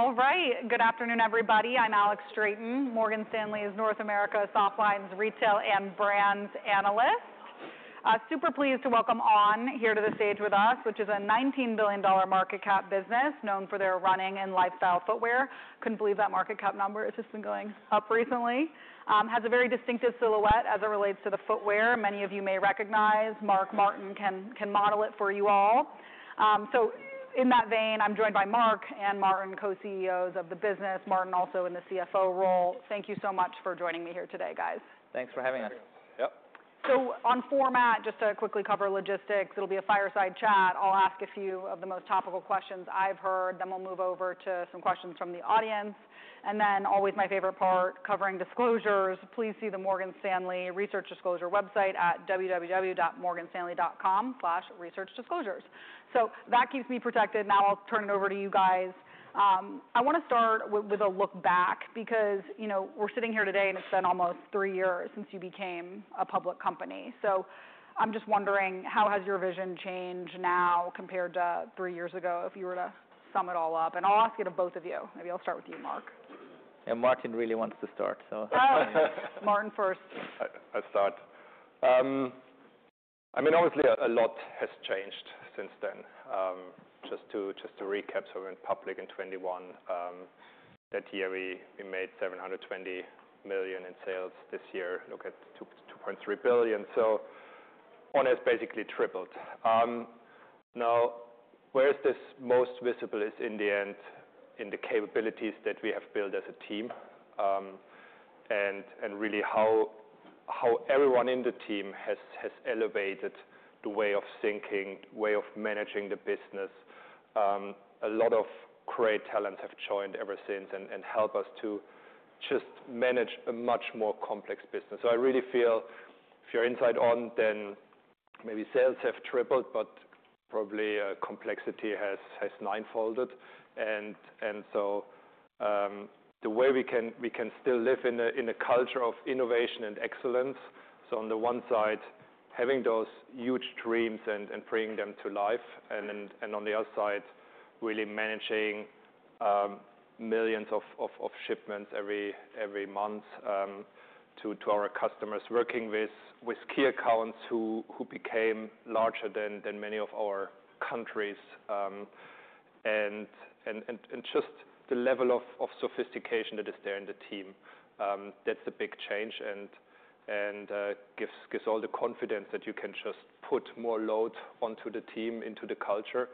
All right. Good afternoon, everybody. I'm Alex Straton, Morgan Stanley's North America retail and brands analyst. Super pleased to welcome On here to the stage with us, which is a $19 billion market cap business known for their running and lifestyle footwear. Couldn't believe that market cap number has just been going up recently. Has a very distinctive silhouette as it relates to the footwear. Many of you may recognize Marc Maurer can model it for you all. So in that vein, I'm joined by Marc and Martin, Co-CEOs of the business. Martin, also in the CFO role. Thank you so much for joining me here today, guys. Thanks for having us. So, on format, just to quickly cover logistics, it'll be a fireside chat. I'll ask a few of the most topical questions I've heard. Then we'll move over to some questions from the audience. And then always my favorite part, covering disclosures. Please see the Morgan Stanley Research Disclosure website at www.morganstanley.com/researchdisclosures. So that keeps me protected. Now I'll turn it over to you guys. I want to start with a look back because we're sitting here today and it's been almost three years since you became a public company. So I'm just wondering, how has your vision changed now compared to three years ago if you were to sum it all up? And I'll ask it of both of you. Maybe I'll start with you, Marc. Yeah, Martin really wants to start. Martin first. I'll start. I mean, obviously, a lot has changed since then. Just to recap, so we went public in 2021. That year, we made $720 million in sales. This year, look at $2.3 billion. So On has basically tripled. Now, where is this most visible is in the end in the capabilities that we have built as a team and really how everyone in the team has elevated the way of thinking, the way of managing the business. A lot of great talents have joined ever since and helped us to just manage a much more complex business. So I really feel if you're inside On, then maybe sales have tripled, but probably complexity has ninefolded. And so the way we can still live in a culture of innovation and excellence. So on the one side, having those huge dreams and bringing them to life. On the other side, really managing millions of shipments every month to our customers, working with key accounts who became larger than many of our countries. Just the level of sophistication that is there in the team, that's a big change and gives all the confidence that you can just put more load onto the team, into the culture,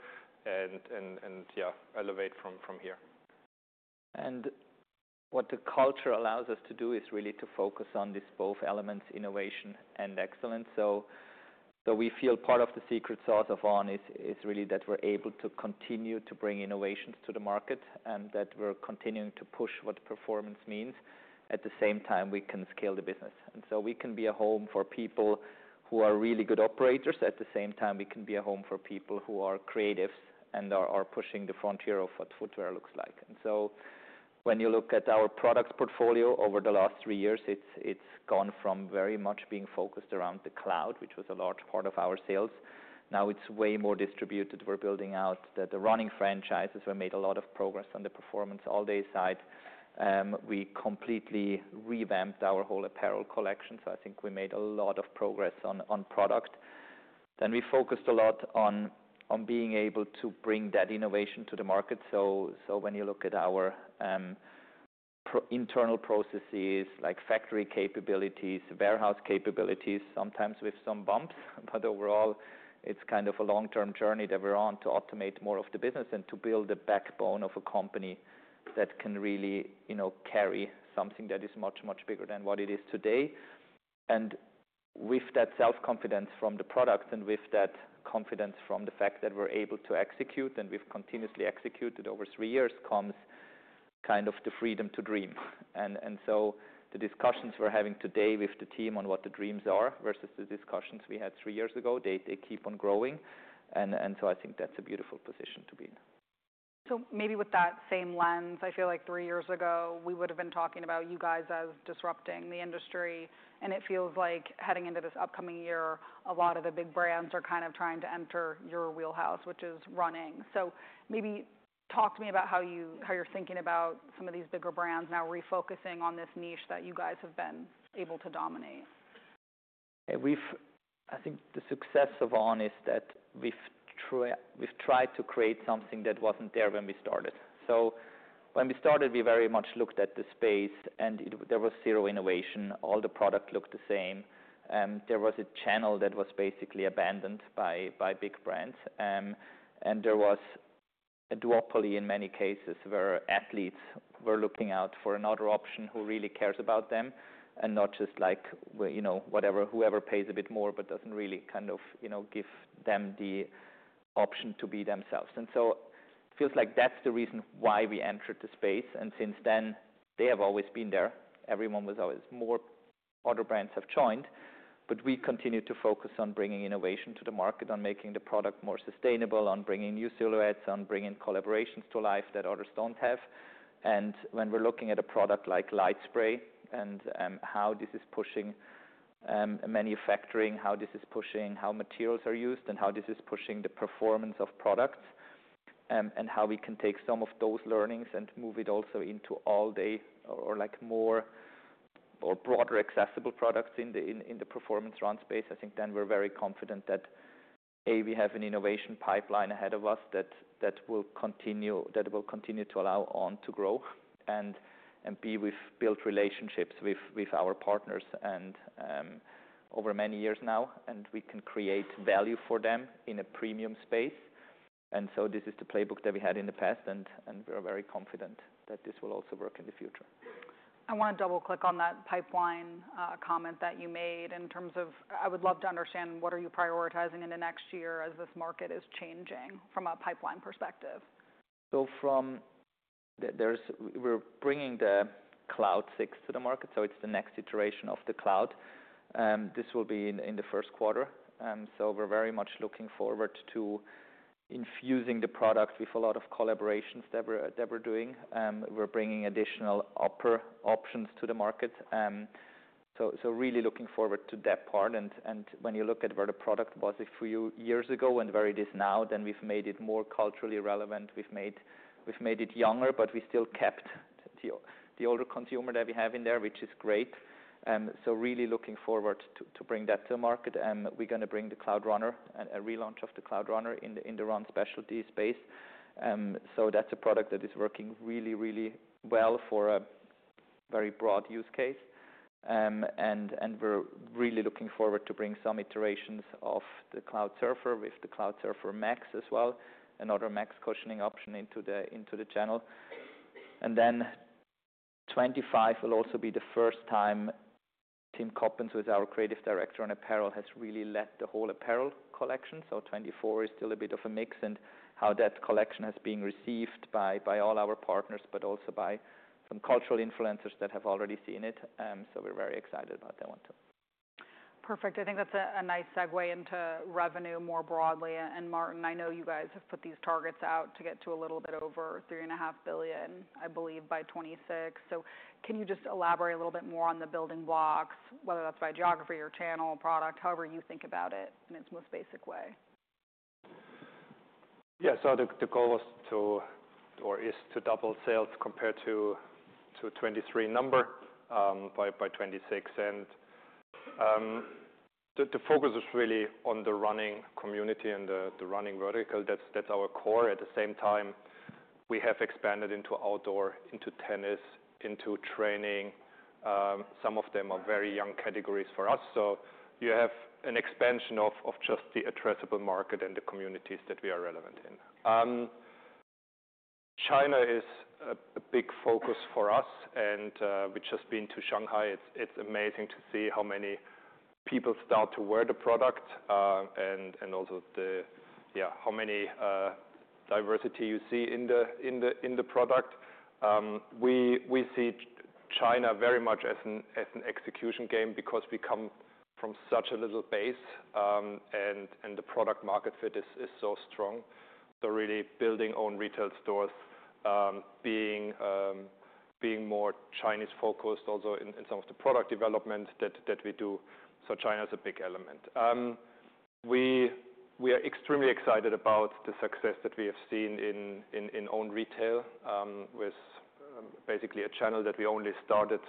and yeah, elevate from here. What the culture allows us to do is really to focus on these both elements, innovation and excellence. So we feel part of the secret sauce of On is really that we're able to continue to bring innovations to the market and that we're continuing to push what performance means. At the same time, we can scale the business. So we can be a home for people who are really good operators. At the same time, we can be a home for people who are creatives and are pushing the frontier of what footwear looks like. So when you look at our product portfolio over the last three years, it's gone from very much being focused around the Cloud, which was a large part of our sales. Now it's way more distributed. We're building out the running franchises. We made a lot of progress on the performance all day side. We completely revamped our whole apparel collection. So I think we made a lot of progress on product. Then we focused a lot on being able to bring that innovation to the market. So when you look at our internal processes, like factory capabilities, warehouse capabilities, sometimes with some bumps, but overall, it's kind of a long-term journey that we're on to automate more of the business and to build the backbone of a company that can really carry something that is much, much bigger than what it is today. And with that self-confidence from the product and with that confidence from the fact that we're able to execute and we've continuously executed over three years comes kind of the freedom to dream. And so the discussions we're having today with the team on what the dreams are versus the discussions we had three years ago, they keep on growing. And so I think that's a beautiful position to be in. So maybe with that same lens, I feel like three years ago, we would have been talking about you guys as disrupting the industry. And it feels like heading into this upcoming year, a lot of the big brands are kind of trying to enter your wheelhouse, which is running. So maybe talk to me about how you're thinking about some of these bigger brands now refocusing on this niche that you guys have been able to dominate? I think the success of On is that we've tried to create something that wasn't there when we started. So when we started, we very much looked at the space and there was zero innovation. All the product looked the same. There was a channel that was basically abandoned by big brands. And there was a duopoly in many cases where athletes were looking out for another option who really cares about them and not just like whoever pays a bit more but doesn't really kind of give them the option to be themselves. And so it feels like that's the reason why we entered the space. And since then, they have always been there. Everyone was always more. Other brands have joined. We continue to focus on bringing innovation to the market, on making the product more sustainable, on bringing new silhouettes, on bringing collaborations to life that others don't have. And when we're looking at a product like LightSpray and how this is pushing manufacturing, how this is pushing how materials are used and how this is pushing the performance of products and how we can take some of those learnings and move it also into all day or more or broader accessible products in the performance run space, I think then we're very confident that, A, we have an innovation pipeline ahead of us that will continue to allow On to grow. And B, we've built relationships with our partners over many years now, and we can create value for them in a premium space. This is the playbook that we had in the past, and we're very confident that this will also work in the future. I want to double-click on that pipeline comment that you made in terms of. I would love to understand what are you prioritizing in the next year as this market is changing from a pipeline perspective. We're bringing the Cloud 6 to the market. It's the next iteration of the Cloud. This will be in the first quarter. We're very much looking forward to infusing the product with a lot of collaborations that we're doing. We're bringing additional upper options to the market. Really looking forward to that part. When you look at where the product was a few years ago and where it is now, then we've made it more culturally relevant. We've made it younger, but we still kept the older consumer that we have in there, which is great. Really looking forward to bring that to the market. We're going to bring the Cloudrunner and a relaunch of the Cloudrunner in the run specialty space. That's a product that is working really, really well for a very broad use case. And we're really looking forward to bring some iterations of the Cloudsurfer with the Cloudsurfer Max as well, another Max cushioning option into the channel. And then 2025 will also be the first time Tim Coppens, who is our Creative Director for apparel, has really led the whole apparel collection. So 2024 is still a bit of a mix and how that collection has been received by all our partners, but also by some cultural influencers that have already seen it. So we're very excited about that one too. Perfect. I think that's a nice segue into revenue more broadly, and Martin, I know you guys have put these targets out to get to a little bit over $3.5 billion, I believe, by 2026. Can you just elaborate a little bit more on the building blocks, whether that's by geography, or channel, product, however you think about it in its most basic way? Yeah. So the goal was to or is to double sales compared to 2023 number by 2026. And the focus is really on the running community and the running vertical. That's our core. At the same time, we have expanded into outdoor, into tennis, into training. Some of them are very young categories for us. So you have an expansion of just the addressable market and the communities that we are relevant in. China is a big focus for us. And we've just been to Shanghai. It's amazing to see how many people start to wear the product and also how many diversity you see in the product. We see China very much as an execution game because we come from such a little base. And the product market fit is so strong. We're really building own retail stores, being more China-focused also in some of the product development that we do. China is a big element. We are extremely excited about the success that we have seen in own retail with basically a channel that we only started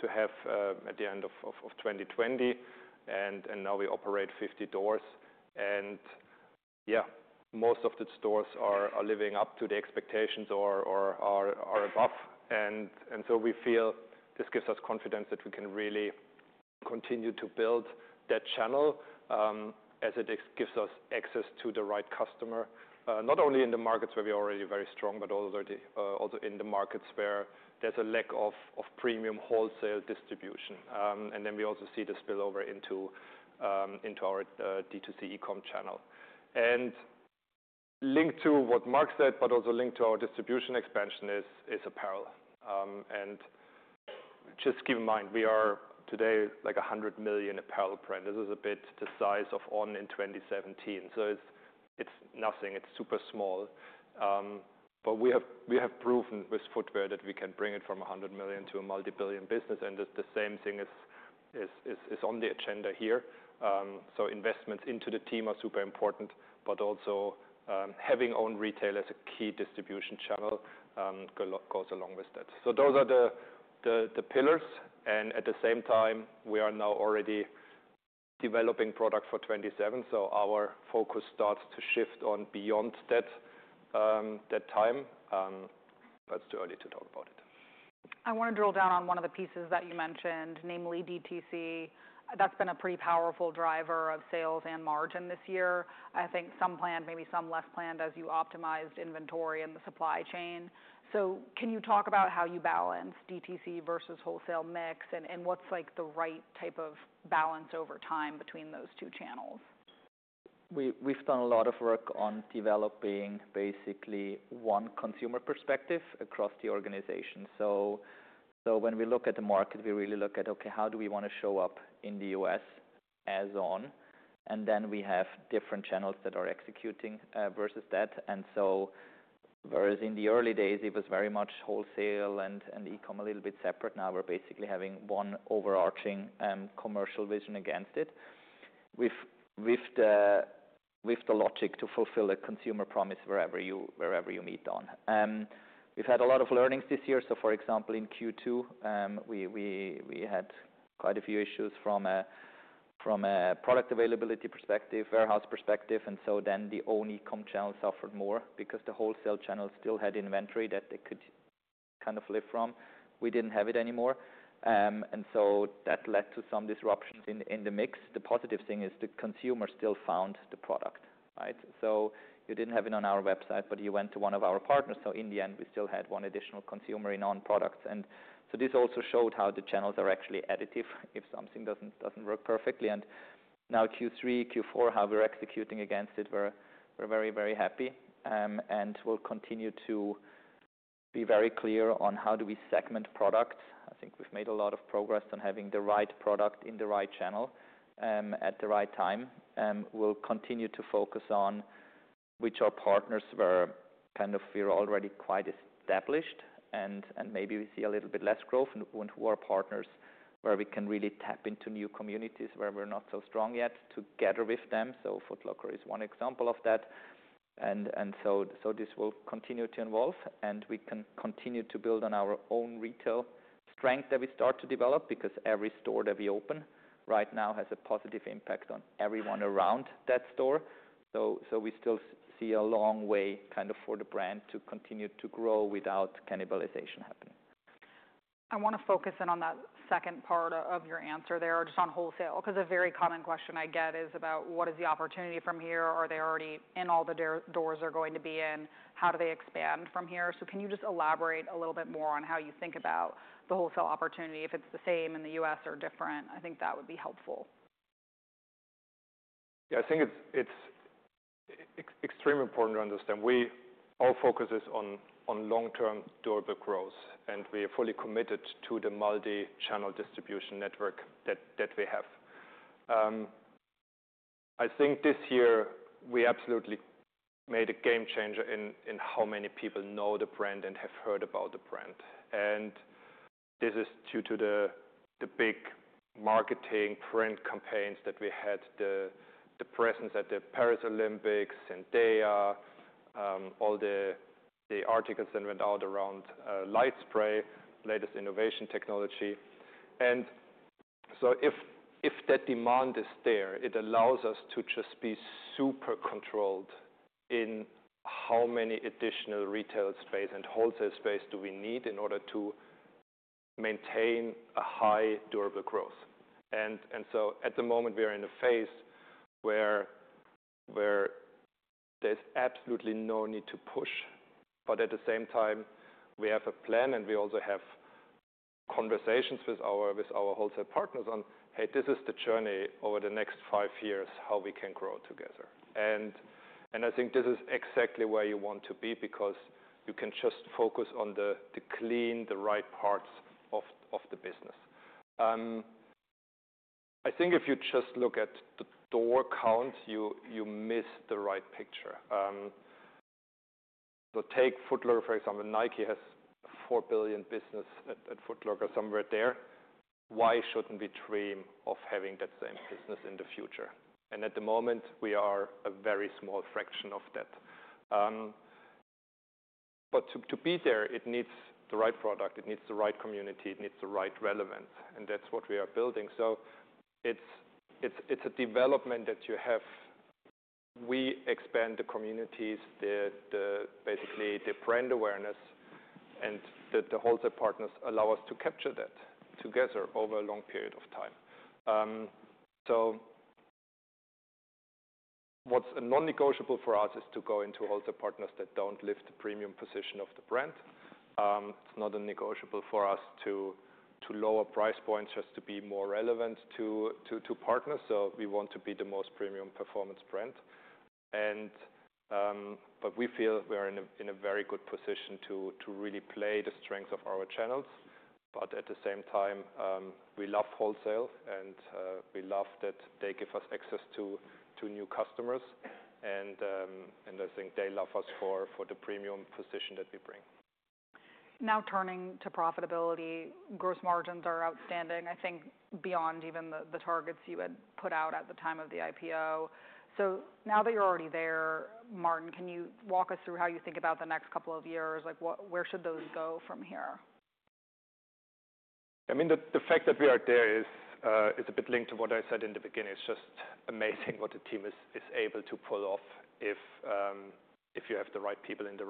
to have at the end of 2020. Now we operate 50 stores. Yeah, most of the stores are living up to the expectations or are above. We feel this gives us confidence that we can really continue to build that channel as it gives us access to the right customer, not only in the markets where we are already very strong, but also in the markets where there's a lack of premium wholesale distribution. Then we also see this spillover into our D2C e-com channel. Linked to what Marc said, but also linked to our distribution expansion is apparel. Just keep in mind, we are today like 100 million apparel brand. This is a bit the size of On in 2017. It's nothing. It's super small. We have proven with footwear that we can bring it from 100 million to a multi-billion business. The same thing is on the agenda here. Investments into the team are super important, but also having own retail as a key distribution channel goes along with that. Those are the pillars. At the same time, we are now already developing product for 2027. Our focus starts to shift on beyond that time. It's too early to talk about it. I want to drill down on one of the pieces that you mentioned, namely D2C. That's been a pretty powerful driver of sales and margin this year. I think some planned, maybe some less planned as you optimized inventory and the supply chain. So can you talk about how you balance D2C versus wholesale mix and what's the right type of balance over time between those two channels? We've done a lot of work on developing basically one consumer perspective across the organization. So when we look at the market, we really look at, okay, how do we want to show up in the U.S. as On? And then we have different channels that are executing versus that. And so whereas in the early days, it was very much wholesale and e-com a little bit separate, now we're basically having one overarching commercial vision against it with the logic to fulfill a consumer promise wherever you meet On. We've had a lot of learnings this year. So for example, in Q2, we had quite a few issues from a product availability perspective, warehouse perspective. And so then the On e-com channel suffered more because the wholesale channel still had inventory that they could kind of live from. We didn't have it anymore. And so that led to some disruptions in the mix. The positive thing is the consumer still found the product, right? So you didn't have it on our website, but you went to one of our partners. So in the end, we still had one additional consumer in On products. And so this also showed how the channels are actually additive if something doesn't work perfectly. And now Q3, Q4, how we're executing against it, we're very, very happy. And we'll continue to be very clear on how do we segment products. I think we've made a lot of progress on having the right product in the right channel at the right time. We'll continue to focus on which our partners were kind of we were already quite established and maybe we see a little bit less growth and who are partners where we can really tap into new communities where we're not so strong yet together with them. So Foot Locker is one example of that. And so this will continue to evolve. And we can continue to build on our own retail strength that we start to develop because every store that we open right now has a positive impact on everyone around that store. So we still see a long way kind of for the brand to continue to grow without cannibalization happening. I want to focus in on that second part of your answer there just on wholesale because a very common question I get is about what is the opportunity from here? Are they already in all the doors they're going to be in? How do they expand from here? So can you just elaborate a little bit more on how you think about the wholesale opportunity? If it's the same in the U.S. or different, I think that would be helpful. Yeah, I think it's extremely important to understand. Our focus is on long-term durable growth. We are fully committed to the multi-channel distribution network that we have. I think this year we absolutely made a game changer in how many people know the brand and have heard about the brand. This is due to the big marketing print campaigns that we had, the presence at the Paris Olympics, Zendaya, all the articles that went out around LightSpray, latest innovation technology. If that demand is there, it allows us to just be super controlled in how many additional retail space and wholesale space do we need in order to maintain a high durable growth. At the moment, we are in a phase where there's absolutely no need to push. But at the same time, we have a plan and we also have conversations with our wholesale partners on, hey, this is the journey over the next five years, how we can grow together. And I think this is exactly where you want to be because you can just focus on the clean, the right parts of the business. I think if you just look at the door count, you miss the right picture. So take Foot Locker, for example. Nike has a $4 billion business at Foot Locker, somewhere there. Why shouldn't we dream of having that same business in the future? And at the moment, we are a very small fraction of that. But to be there, it needs the right product. It needs the right community. It needs the right relevance. And that's what we are building. So it's a development that you have. We expand the communities, basically the brand awareness, and the wholesale partners allow us to capture that together over a long period of time. So what's non-negotiable for us is to go into wholesale partners that don't dilute the premium position of the brand. It's not negotiable for us to lower price points just to be more relevant to partners. So we want to be the most premium performance brand. But we feel we are in a very good position to really play the strengths of our channels. But at the same time, we love wholesale and we love that they give us access to new customers. And I think they love us for the premium position that we bring. Now turning to profitability, gross margins are outstanding, I think, beyond even the targets you had put out at the time of the IPO. So now that you're already there, Martin, can you walk us through how you think about the next couple of years? Where should those go from here? I mean, the fact that we are there is a bit linked to what I said in the beginning. It's just amazing what the team is able to pull off if you have the right people in the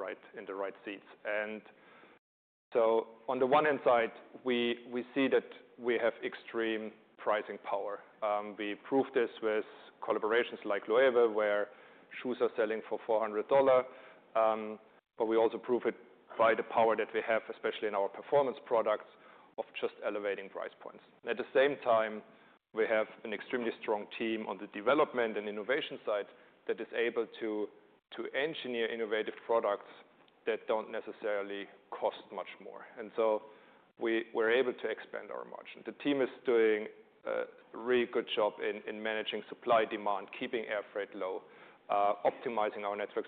right seats, and so on the one hand side, we see that we have extreme pricing power. We prove this with collaborations like Loewe, where shoes are selling for $400, but we also prove it by the power that we have, especially in our performance products, of just elevating price points. At the same time, we have an extremely strong team on the development and innovation side that is able to engineer innovative products that don't necessarily cost much more, and so we're able to expand our margin. The team is doing a really good job in managing supply demand, keeping air freight low, optimizing our network.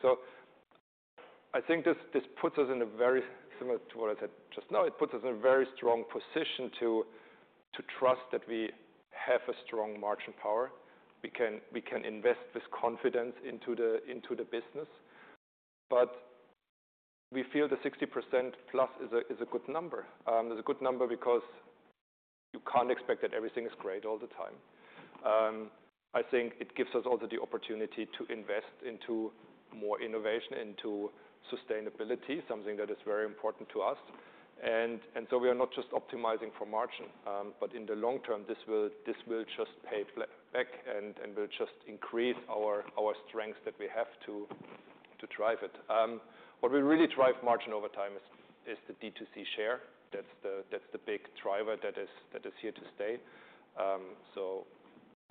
I think this puts us in a very similar to what I said just now. It puts us in a very strong position to trust that we have a strong margin power. We can invest with confidence into the business. But we feel the 60% plus is a good number. It's a good number because you can't expect that everything is great all the time. I think it gives us also the opportunity to invest into more innovation, into sustainability, something that is very important to us. And so we are not just optimizing for margin, but in the long term, this will just pay back and will just increase our strengths that we have to drive it. What will really drive margin over time is the D2C share. That's the big driver that is here to stay. So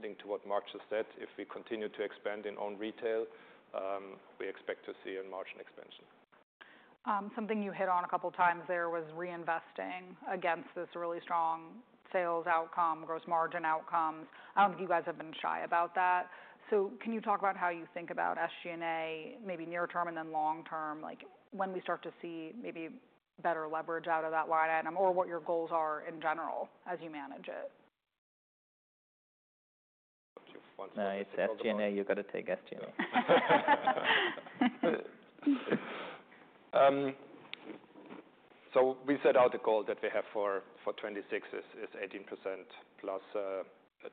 linked to what Marc just said, if we continue to expand in On retail, we expect to see a margin expansion. Something you hit on a couple of times there was reinvesting against this really strong sales outcome, gross margin outcomes. I don't think you guys have been shy about that. So can you talk about how you think about SG&A maybe near term and then long term? When we start to see maybe better leverage out of that line item or what your goals are in general as you manage it? Nice. SG&A, you got to take SG&A. We set out a goal that we have for 2026 is 18% plus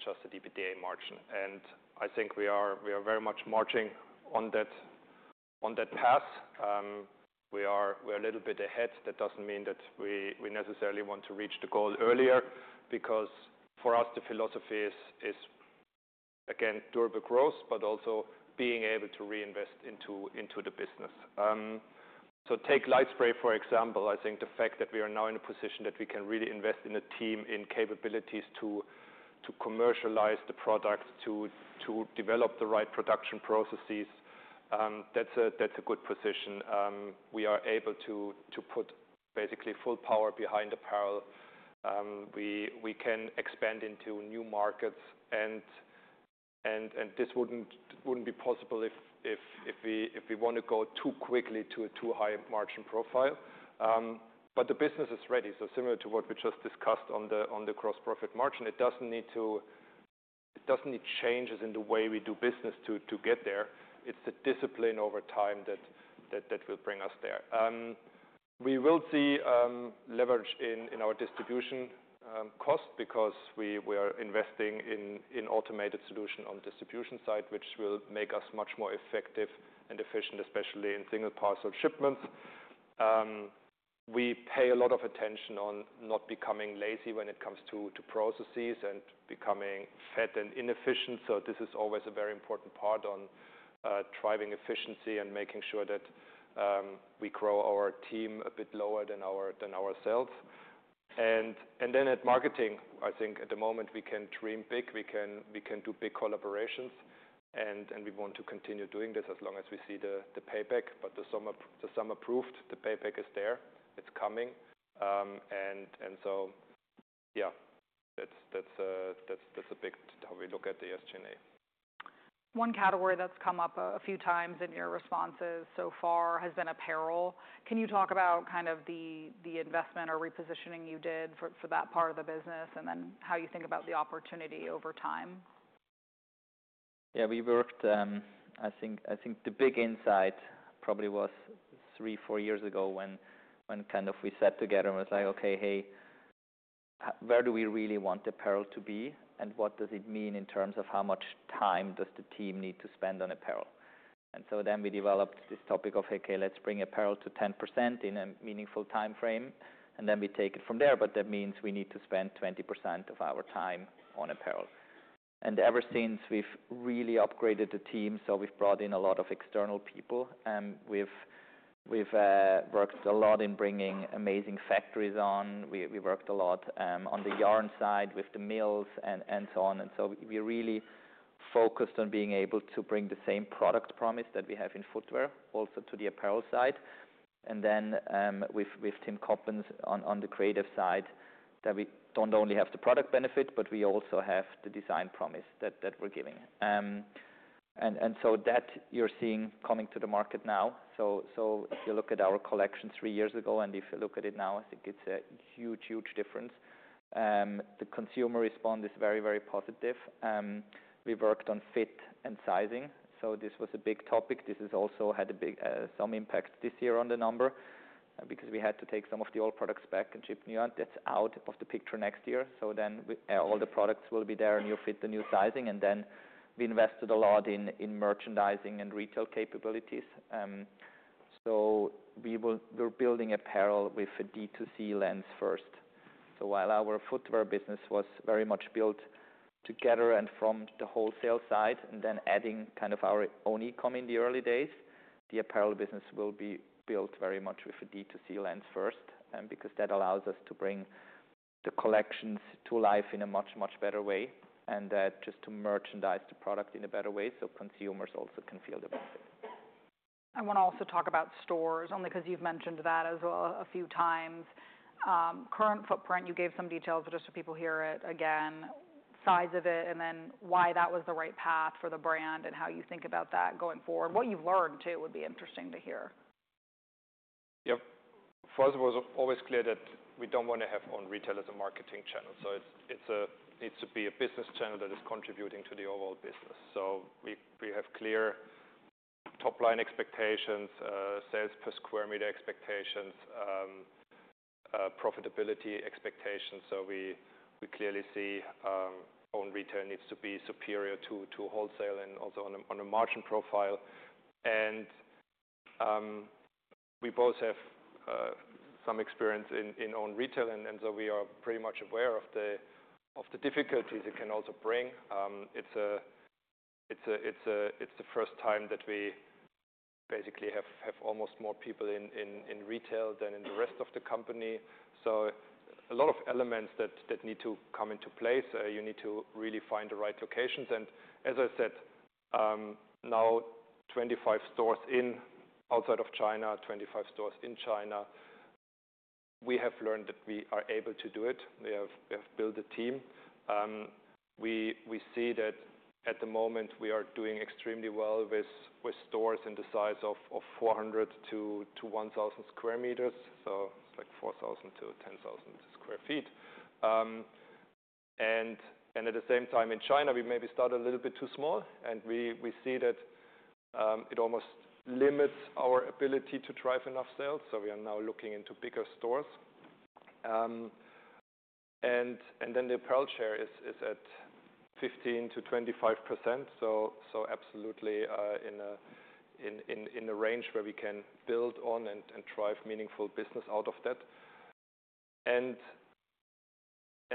just the EBITDA margin. I think we are very much marching on that path. We are a little bit ahead. That doesn't mean that we necessarily want to reach the goal earlier because for us, the philosophy is, again, durable growth, but also being able to reinvest into the business. Take LightSpray, for example. I think the fact that we are now in a position that we can really invest in a team in capabilities to commercialize the product, to develop the right production processes, that's a good position. We are able to put basically full power behind apparel. We can expand into new markets. This wouldn't be possible if we want to go too quickly to a too high margin profile. The business is ready. So similar to what we just discussed on the gross profit margin, it doesn't need changes in the way we do business to get there. It's the discipline over time that will bring us there. We will see leverage in our distribution cost because we are investing in automated solution on the distribution side, which will make us much more effective and efficient, especially in single parcel shipments. We pay a lot of attention on not becoming lazy when it comes to processes and becoming fat and inefficient. So this is always a very important part on driving efficiency and making sure that we grow our team a bit lower than ourselves. And then at marketing, I think at the moment we can dream big. We can do big collaborations. And we want to continue doing this as long as we see the payback. But the summer proved the payback is there. It's coming. And so, yeah, that's a big how we look at the SG&A. One category that's come up a few times in your responses so far has been apparel. Can you talk about kind of the investment or repositioning you did for that part of the business and then how you think about the opportunity over time? Yeah, we worked. I think the big insight probably was three, four years ago when kind of we sat together and was like, okay, hey, where do we really want Apparel to be? And what does it mean in terms of how much time does the team need to spend on Apparel? And so then we developed this topic of, okay, let's bring Apparel to 10% in a meaningful time frame. And then we take it from there. But that means we need to spend 20% of our time on Apparel. And ever since we've really upgraded the team, so we've brought in a lot of external people. We've worked a lot in bringing amazing factories on. We worked a lot on the yarn side with the mills and so on. We really focused on being able to bring the same product promise that we have in footwear also to the apparel side. Then with Tim Coppens on the creative side that we don't only have the product benefit, but we also have the design promise that we're giving. You're seeing that coming to the market now. If you look at our collection three years ago and if you look at it now, I think it's a huge, huge difference. The consumer response is very, very positive. We worked on fit and sizing. This was a big topic. This also had some impact this year on the number because we had to take some of the old products back and ship new ones. That's out of the picture next year. Then all the products will be there and you'll fit the new sizing. Then we invested a lot in merchandising and retail capabilities. We're building apparel with a D2C lens first. While our footwear business was very much built together and from the wholesale side and then adding kind of our own e-comm in the early days, the apparel business will be built very much with a D2C lens first because that allows us to bring the collections to life in a much, much better way and just to merchandise the product in a better way so consumers also can feel the benefit. I want to also talk about stores only because you've mentioned that as well a few times. Current footprint, you gave some details, but just so people hear it again, size of it, and then why that was the right path for the brand and how you think about that going forward. What you've learned too would be interesting to hear. Yep. For us, it was always clear that we don't want to have own retail as a marketing channel. So it needs to be a business channel that is contributing to the overall business. So we have clear top-line expectations, sales per square meter expectations, profitability expectations. So we clearly see own retail needs to be superior to wholesale and also on a margin profile. And we both have some experience in own retail. And so we are pretty much aware of the difficulties it can also bring. It's the first time that we basically have almost more people in retail than in the rest of the company. So a lot of elements that need to come into place. You need to really find the right locations. And as I said, now 25 stores outside of China, 25 stores in China. We have learned that we are able to do it. We have built a team. We see that at the moment we are doing extremely well with stores in the size of 400-1,000 sq m. So it's like 4,000-10,000 sq ft. And at the same time in China, we maybe start a little bit too small. And we see that it almost limits our ability to drive enough sales. So we are now looking into bigger stores. And then the apparel share is at 15%-25%. So absolutely in a range where we can build on and drive meaningful business out of that. And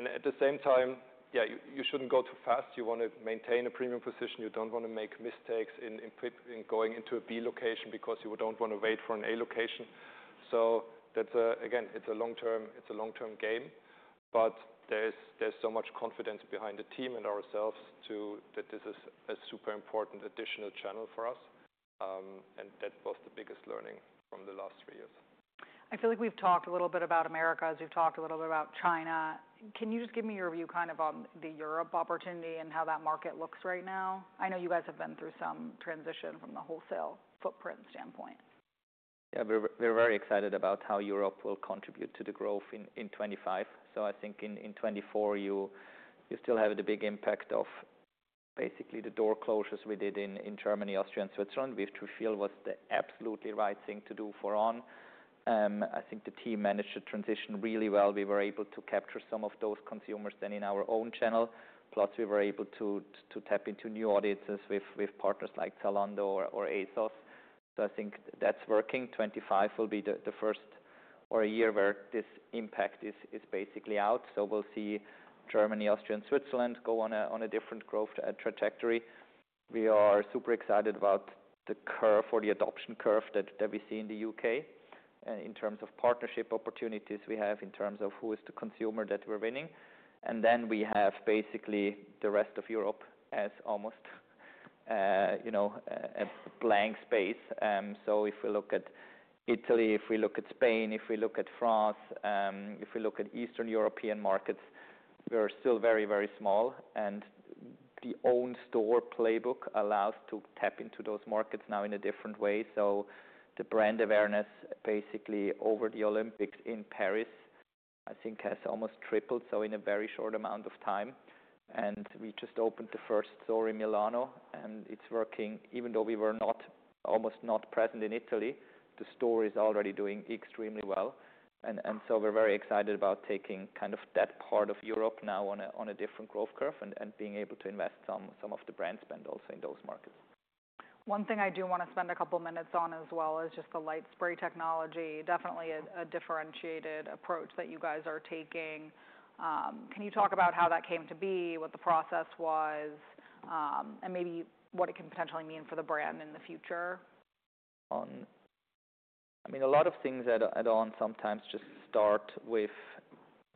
at the same time, yeah, you shouldn't go too fast. You want to maintain a premium position. You don't want to make mistakes in going into a B location because you don't want to wait for an A location. Again, it's a long-term game. But there's so much confidence behind the team and ourselves that this is a super important additional channel for us. That was the biggest learning from the last three years. I feel like we've talked a little bit about America as we've talked a little bit about China. Can you just give me your view kind of on the Europe opportunity and how that market looks right now? I know you guys have been through some transition from the wholesale footprint standpoint. Yeah, we're very excited about how Europe will contribute to the growth in 2025. So I think in 2024, you still have the big impact of basically the door closures we did in Germany, Austria, and Switzerland, which we feel was the absolutely right thing to do for On. I think the team managed to transition really well. We were able to capture some of those consumers then in our own channel. Plus, we were able to tap into new audiences with partners like Zalando or ASOS. So I think that's working. 2025 will be the first or a year where this impact is basically out. So we'll see Germany, Austria, and Switzerland go on a different growth trajectory. We are super excited about the adoption curve that we see in the U.K. in terms of partnership opportunities we have in terms of who is the consumer that we're winning. We have basically the rest of Europe as almost a blank space. So if we look at Italy, if we look at Spain, if we look at France, if we look at Eastern European markets, we're still very, very small. The own store playbook allows to tap into those markets now in a different way. The brand awareness basically over the Olympics in Paris, I think, has almost tripled so in a very short amount of time. We just opened the first store in Milan. It's working. Even though we were almost not present in Italy, the store is already doing extremely well. We're very excited about taking kind of that part of Europe now on a different growth curve and being able to invest some of the brand spend also in those markets. One thing I do want to spend a couple of minutes on as well is just the LightSpray technology. Definitely a differentiated approach that you guys are taking. Can you talk about how that came to be, what the process was, and maybe what it can potentially mean for the brand in the future? On. I mean, a lot of things at On sometimes just start with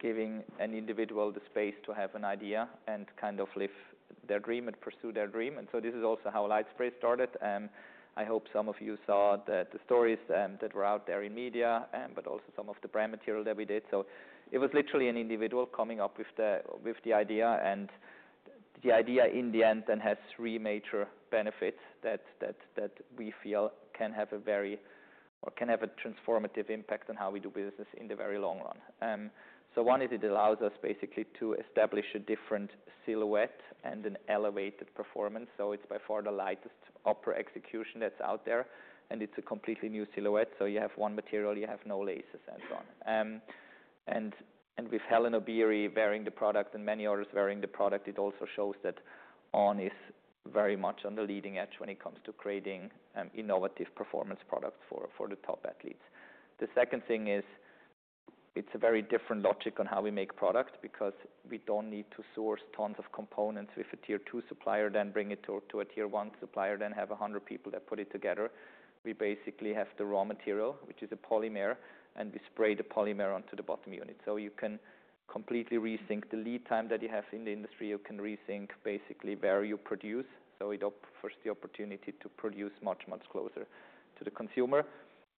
giving an individual the space to have an idea and kind of live their dream and pursue their dream. This is also how LightSpray started. I hope some of you saw the stories that were out there in media, but also some of the brand material that we did. It was literally an individual coming up with the idea. The idea in the end then has three major benefits that we feel can have a very or can have a transformative impact on how we do business in the very long run. One is it allows us basically to establish a different silhouette and an elevated performance. It's by far the lightest upper execution that's out there. It's a completely new silhouette. You have one material, you have no laces and so on. And with Hellen Obiri wearing the product and many others wearing the product, it also shows that On is very much on the leading edge when it comes to creating innovative performance products for the top athletes. The second thing is it's a very different logic on how we make product because we don't need to source tons of components with a Tier 2 supplier, then bring it to a Tier 1 supplier, then have 100 people that put it together. We basically have the raw material, which is a polymer, and we spray the polymer onto the bottom unit. You can completely rethink the lead time that you have in the industry. You can rethink basically where you produce. It offers the opportunity to produce much, much closer to the consumer.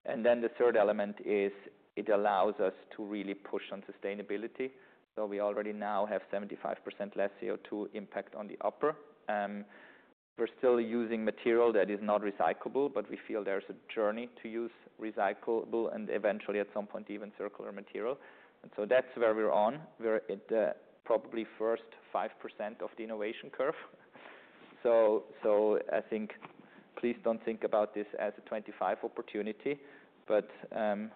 Then the third element is it allows us to really push on sustainability. We already now have 75% less CO2 impact on the upper. We're still using material that is not recyclable, but we feel there's a journey to use recyclable and eventually at some point even circular material. That's where we're on. We're at probably the first 5% of the innovation curve. I think please don't think about this as a 2025 opportunity.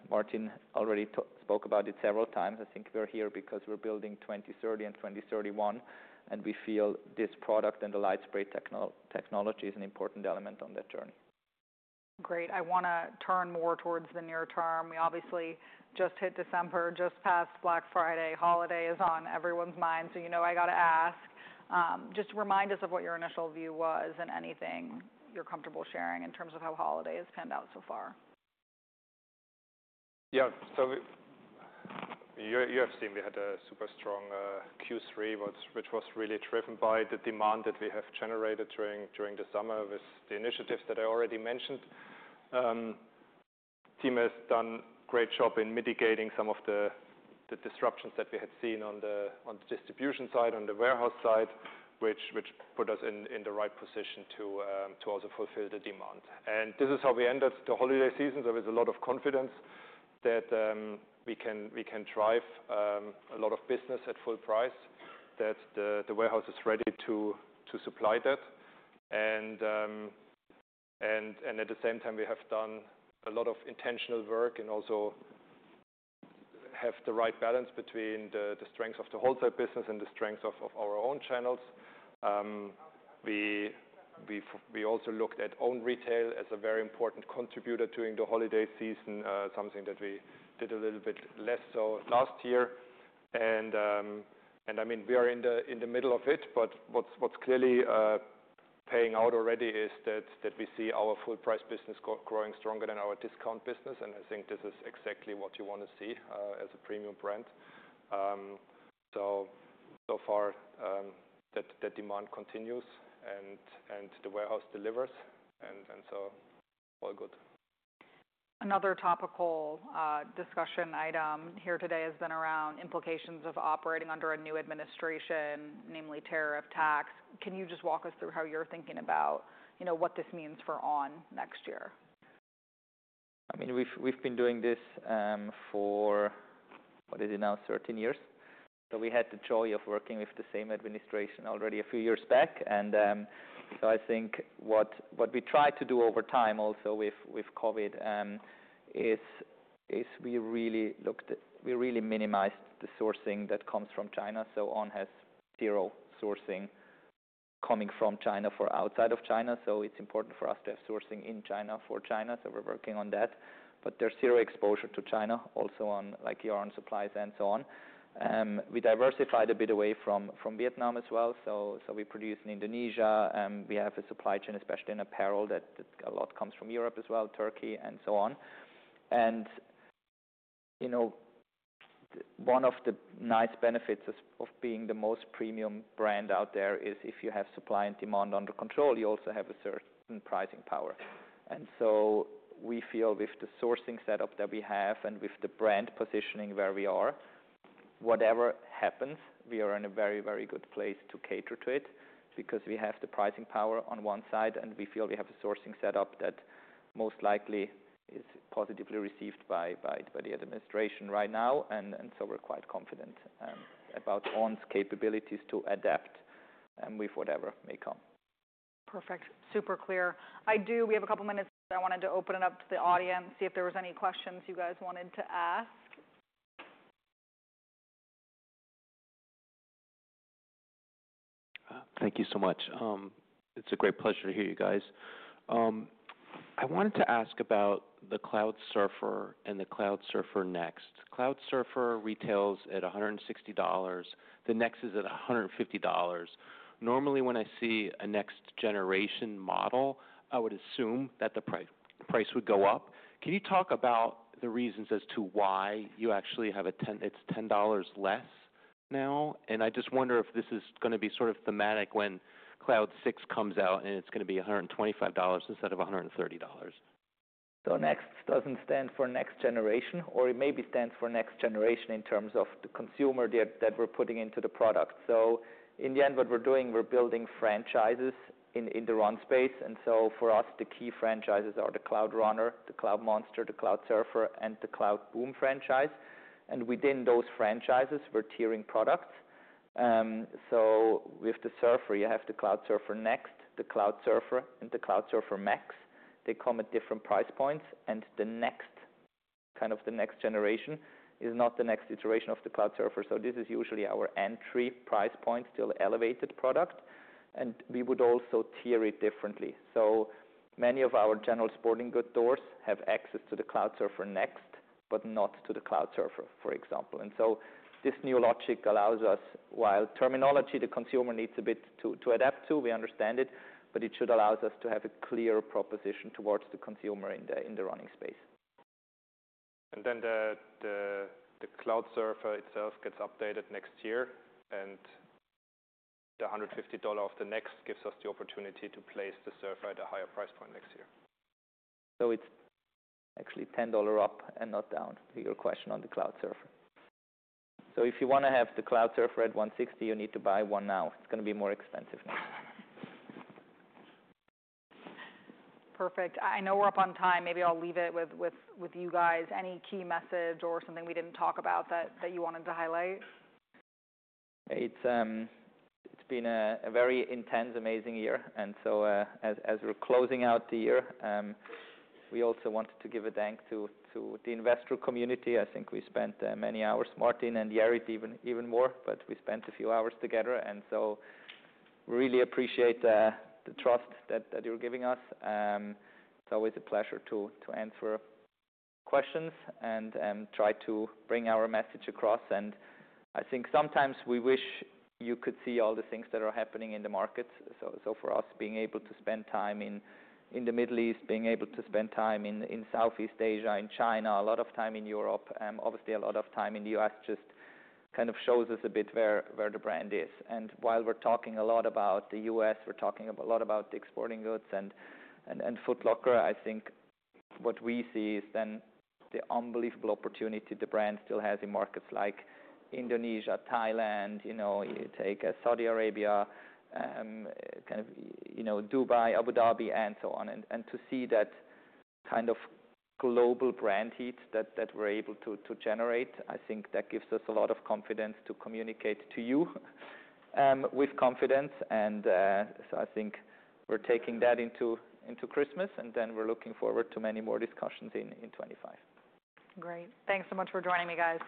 Martin already spoke about it several times. I think we're here because we're building 2030 and 2031. We feel this product and the LightSpray technology is an important element on that journey. Great. I want to turn more towards the near term. We obviously just hit December, just passed Black Friday. Holiday is on everyone's mind. So you know I got to ask. Just remind us of what your initial view was and anything you're comfortable sharing in terms of how holidays panned out so far. Yeah, so you have seen we had a super strong Q3, which was really driven by the demand that we have generated during the summer with the initiatives that I already mentioned. The team has done a great job in mitigating some of the disruptions that we had seen on the distribution side, on the warehouse side, which put us in the right position to also fulfill the demand, and this is how we ended the holiday season. There was a lot of confidence that we can drive a lot of business at full price, that the warehouse is ready to supply that, and at the same time, we have done a lot of intentional work and also have the right balance between the strengths of the wholesale business and the strengths of our own channels. We also looked at own retail as a very important contributor during the holiday season, something that we did a little bit less so last year. I mean, we are in the middle of it. What's clearly paying out already is that we see our full-price business growing stronger than our discount business. I think this is exactly what you want to see as a premium brand. That demand continues and the warehouse delivers. All good. Another topical discussion item here today has been around implications of operating under a new administration, namely tariffs and taxes. Can you just walk us through how you're thinking about what this means for On next year? I mean, we've been doing this for, what is it now, 13 years. So we had the joy of working with the same administration already a few years back. And so I think what we tried to do over time also with COVID is we really minimized the sourcing that comes from China. So On has zero sourcing coming from China for outside of China. So it's important for us to have sourcing in China for China. So we're working on that. But there's zero exposure to China also on yarn supplies and so on. We diversified a bit away from Vietnam as well. So we produce in Indonesia. We have a supply chain, especially in apparel, that a lot comes from Europe as well, Turkey, and so on. One of the nice benefits of being the most premium brand out there is if you have supply and demand under control, you also have a certain pricing power. So we feel with the sourcing setup that we have and with the brand positioning where we are, whatever happens, we are in a very, very good place to cater to it because we have the pricing power on one side. We feel we have a sourcing setup that most likely is positively received by the administration right now. So we're quite confident about On's capabilities to adapt with whatever may come. Perfect. Super clear. I do, we have a couple of minutes left. I wanted to open it up to the audience, see if there were any questions you guys wanted to ask. Thank you so much. It's a great pleasure to hear you guys. I wanted to ask about the Cloudsurfer and the Cloudsurfer Next. Cloudsurfer retails at $160. The Next is at $150. Normally, when I see a next-generation model, I would assume that the price would go up. Can you talk about the reasons as to why you actually have it $10 less now? And I just wonder if this is going to be sort of thematic when Cloud 6 comes out and it's going to be $125 instead of $130? Next doesn't stand for next generation, or it maybe stands for next generation in terms of the consumer that we're putting into the product. In the end, what we're doing, we're building franchises in the run space. For us, the key franchises are the Cloudrunner, the Cloudmonster, the Cloudsurfer, and the Cloudboom franchise. Within those franchises, we're tiering products. With the Cloudsurfer, you have the Cloudsurfer Next, the Cloudsurfer, and the Cloudsurfer Max. They come at different price points. The Next, kind of the next generation, is not the next iteration of the Cloudsurfer. This is usually our entry price point, still elevated product. We would also tier it differently. Many of our general sporting good doors have access to the Cloudsurfer Next, but not to the Cloudsurfer, for example. This new logic allows us, while the terminology the consumer needs a bit to adapt to, we understand it, but it should allow us to have a clear proposition towards the consumer in the running space. Then the Cloudsurfer itself gets updated next year. The $150 off the Next gives us the opportunity to place the Surfer at a higher price point next year. It's actually $10 up and not down to your question on the Cloudsurfer. If you want to have the Cloudsurfer at $160, you need to buy one now. It's going to be more expensive now. Perfect. I know we're up on time. Maybe I'll leave it with you guys. Any key message or something we didn't talk about that you wanted to highlight? It's been a very intense, amazing year. So as we're closing out the year, we also wanted to give thanks to the investor community. I think we spent many hours, Martin and Jared, even more, but we spent a few hours together. So we really appreciate the trust that you're giving us. It's always a pleasure to answer questions and try to bring our message across. I think sometimes we wish you could see all the things that are happening in the markets. For us, being able to spend time in the Middle East, being able to spend time in Southeast Asia, in China, a lot of time in Europe, obviously a lot of time in the U.S. just kind of shows us a bit where the brand is. While we're talking a lot about the U.S., we're talking a lot about the exporting goods and Foot Locker, I think what we see is then the unbelievable opportunity the brand still has in markets like Indonesia, Thailand, you take Saudi Arabia, kind of Dubai, Abu Dhabi, and so on. And to see that kind of global brand heat that we're able to generate, I think that gives us a lot of confidence to communicate to you with confidence. And so I think we're taking that into Christmas. And then we're looking forward to many more discussions in 2025. Great. Thanks so much for joining me, guys.